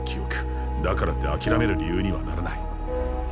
だからってあきらめる理由にはならない。